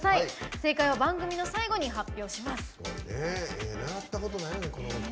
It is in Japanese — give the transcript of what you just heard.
正解は番組の最後に発表します。